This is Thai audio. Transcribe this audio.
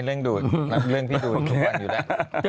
เรื่องดูเรื่องพี่ดูอยู่ทุกวันอยู่แล้ว